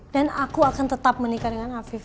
dan aku akan tetap menikah dengan afif